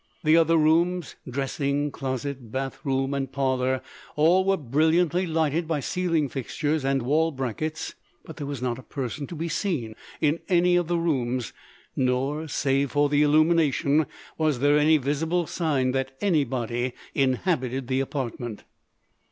The other rooms—dressing closet, bath room and parlour, all were brilliantly lighted by ceiling fixtures and wall brackets; but there was not a person to be seen in any of the rooms—nor, save for the illumination, was there any visible sign that anybody inhabited the apartment.